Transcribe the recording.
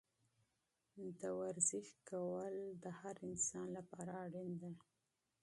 د ورزش سپارښتنه د هرو کسانو لپاره اړینه ده.